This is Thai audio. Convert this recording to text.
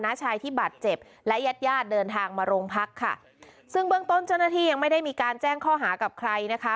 ชายที่บาดเจ็บและญาติญาติเดินทางมาโรงพักค่ะซึ่งเบื้องต้นเจ้าหน้าที่ยังไม่ได้มีการแจ้งข้อหากับใครนะคะ